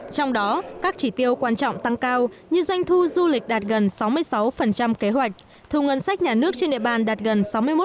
trong đó các chỉ tiêu quan trọng tăng cao như doanh thu du lịch đạt gần sáu mươi sáu kế hoạch thu ngân sách nhà nước trên địa bàn đạt gần sáu mươi một